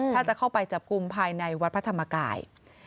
ถ้าจะเข้าไปจับกลุ่มภายในวัดพระธรรมกาย